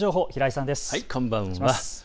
こんばんは。